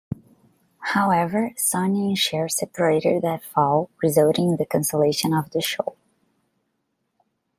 However, Sonny and Cher separated that fall, resulting in the cancellation of the show.